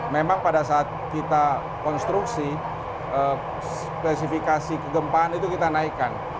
memang pada saat kita konstruksi spesifikasi kegempaan itu kita naikkan